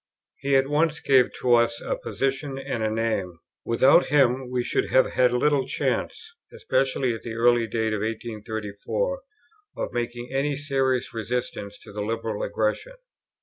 He at once gave to us a position and a name. Without him we should have had little chance, especially at the early date of 1834, of making any serious resistance to the Liberal aggression.